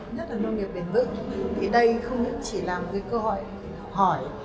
nhất là nông nghiệp biển vựng thì đây không chỉ là một cơ hội hỏi